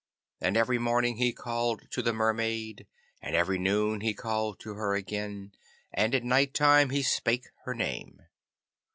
And every morning he called to the Mermaid, and every noon he called to her again, and at night time he spake her name.